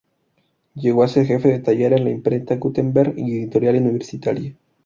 Llegó a ser jefe de taller de la imprenta Gutenberg y de Editorial Universitaria.